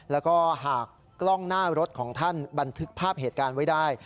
แล้วก็หากกล้องหน้ารถของท่านบันทึกภาพเหตุการณ์ไว้ได้